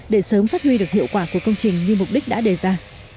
để sớm phát huy được hiệu quả của công trình như mục đích đã đề ra